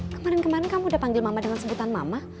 kemarin kemarin kamu udah panggil mama dengan sebutan mama